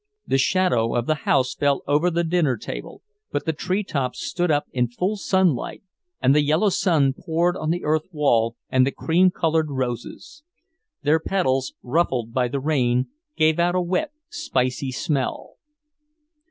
The shadow of the house fell over the dinner table, but the tree tops stood up in full sunlight, and the yellow sun poured on the earth wall and the cream coloured roses. Their petals, ruffled by the rain, gave out a wet, spicy smell.